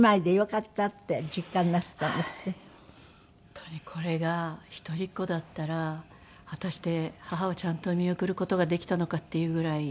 本当にこれが一人っ子だったら果たして母をちゃんと見送る事ができたのかっていうぐらい。